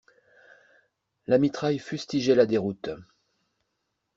La mitraille fustigeait la déroute.